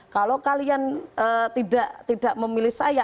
kalau kalian tidak memilih saya